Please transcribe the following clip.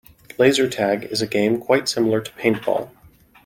Laser tag is a game quite similar to paintball.